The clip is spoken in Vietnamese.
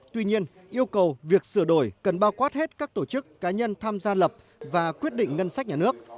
tuy nhiên yêu cầu việc sửa đổi cần bao quát hết các tổ chức cá nhân tham gia lập và quyết định ngân sách nhà nước